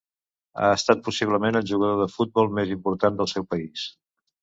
Ha estat possiblement el jugador de futbol més important del seu país.